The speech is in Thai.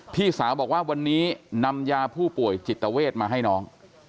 พี่สาวบอกว่าวันนี้นำยาผู้ป่วยจิตเวทมาให้น้อง